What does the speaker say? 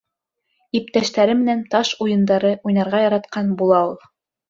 Иптәштәре менән таш уйындары уйнарға яратҡан була ул.